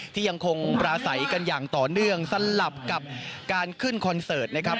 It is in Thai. ยังคงปราศัยกันอย่างต่อเนื่องสลับกับการขึ้นคอนเสิร์ตนะครับ